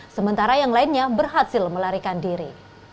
sementara yang lainnya berhasil melarikan diri